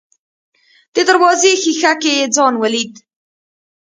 د دروازې ښيښه کې يې ځان وليد.